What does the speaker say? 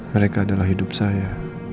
mereka adalah hidup saya